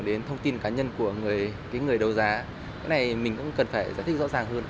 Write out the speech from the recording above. đến thông tin cá nhân của người đấu giá cái này mình cũng cần phải giải thích rõ ràng hơn